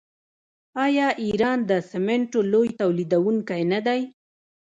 آیا ایران د سمنټو لوی تولیدونکی نه دی؟